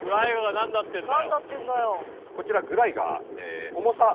なんだってんだよ。